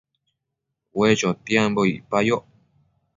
Ue chotiambo icpayoc